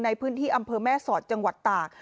ในพื้นที่อำเภอแม่สอดจังหวัดตาก